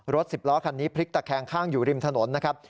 สิบล้อคันนี้พลิกตะแคงข้างอยู่ริมถนนนะครับ